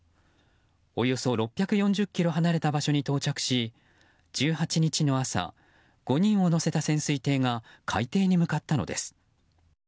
およそ６４０ｋｍ離れた場所に到着し１８日の朝、５人を乗せた潜水艇が海底に向かったのです。